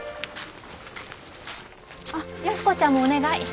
あっ安子ちゃんもお願い。